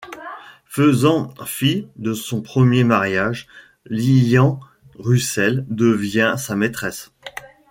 Faisant fi de son premier mariage, Lillian Russel devient sa maîtresse.